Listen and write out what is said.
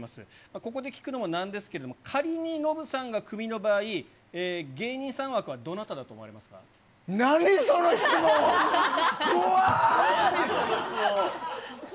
ここで聞くのもなんですけれども、仮にノブさんがクビの場合、芸人さん枠は、何その質問、こわ！